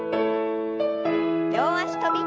両脚跳び。